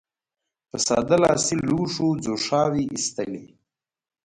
په ساده لاسي لوښو ځوښاوې اېستلې.